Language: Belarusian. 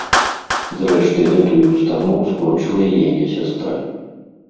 Зрэшты, гэтую ўстанову скончыла і яе сястра.